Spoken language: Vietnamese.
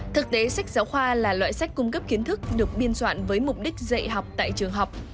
thực tế sách giáo khoa là loại sách cung cấp kiến thức được biên soạn với mục đích dạy học tại trường học